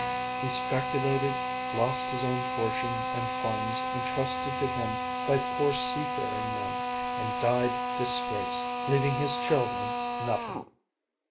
He speculated, lost his own fortune and funds entrusted to him by poor seafaring men, and died disgraced, leaving his children nothing.